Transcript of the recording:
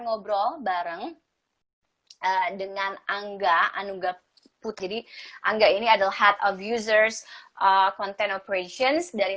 ngobrol bareng dengan angga anungga putri angga ini adalah head of users content operations dari